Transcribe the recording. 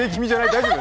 大丈夫？